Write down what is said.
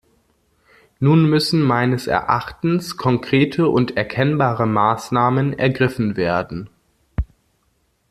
Nun müssen meines Erachtens konkrete und erkennbare Maßnahmen ergriffen werden.